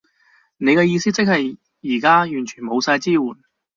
你嘅意思即係而家完全冇晒支援？